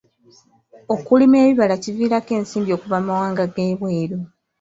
Okulima ebibala kiviirako ensimbi okuva mu mawanga g'ebweru.